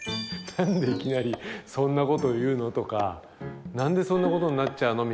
「何でいきなりそんなこと言うの？」とか「何でそんなことになっちゃうの？」